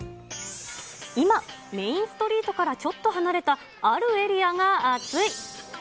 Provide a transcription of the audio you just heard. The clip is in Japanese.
今、メインストリートからちょっと離れたあるエリアが熱い。